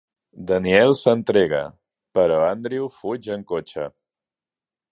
Danielle s'entrega però Andrew fuig en cotxe.